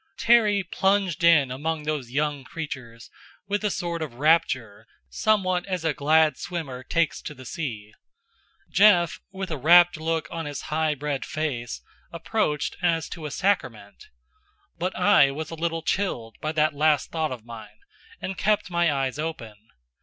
Terry plunged in among those young creatures with a sort of rapture, somewhat as a glad swimmer takes to the sea. Jeff, with a rapt look on his high bred face, approached as to a sacrament. But I was a little chilled by that last thought of mine, and kept my eyes open.